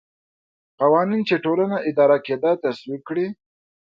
قوانین چې ټولنه اداره کېده تصویب کړي.